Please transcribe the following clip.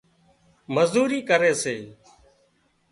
مزوري ڪري سي